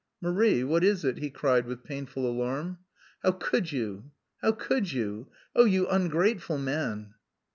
"Marie, what is it?" he cried with painful alarm. "How could you, how could you... Oh, you ungrateful man!"